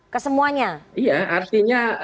kesemuanya iya artinya